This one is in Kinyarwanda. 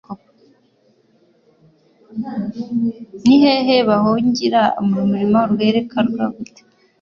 Ni hehe bahungira urumuri rwerekwa gute koko